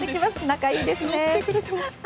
仲いいですね。